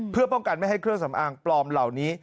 เพื่อป้องกันไม่ให้เครื่องสำอางปลอมเหล่านี้